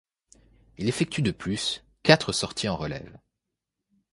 Il effectue de plus quatre sorties en relève.